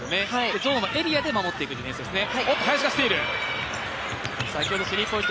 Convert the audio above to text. ゾーンは、エリアで守っていくディフェンスですね。